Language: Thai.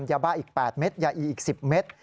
ยาบ้าอีก๘เม็ดยาอีอีก๑๐เมตร